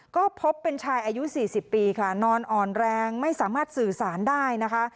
ก็พบเป็นชายอายุ๔๐ปีค่ะนอนอ่อนแรงไม่สามารถสื่อสารได้นะคะ